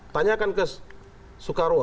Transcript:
tanyakan ke soekarwo